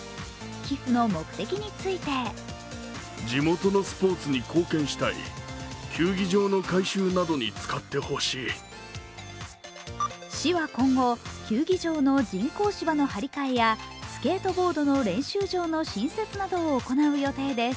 寄付の目的について市は今後、球技場の人工芝の張り替えやスケートボードの練習場の新設などを行う予定です。